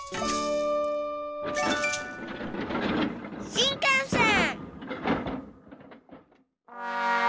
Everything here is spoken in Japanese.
しんかんせん。